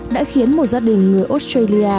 đã khiến một gia đình người australia